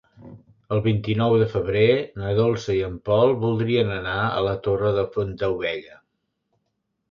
El vint-i-nou de febrer na Dolça i en Pol voldrien anar a la Torre de Fontaubella.